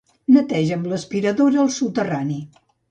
Neteja amb l'aspiradora el soterrani.